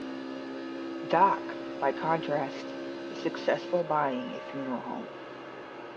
Doc, by contrast, is successful, buying a funeral home.